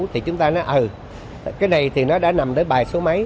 thì chúng ta nói ừ cái này thì nó đã nằm ở bài số mấy